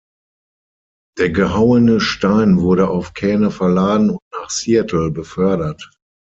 Der gehauene Stein wurde auf Kähne verladen und nach Seattle befördert.